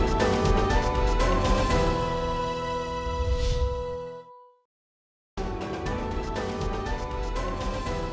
jadi rep bertnic gaité komen sini juga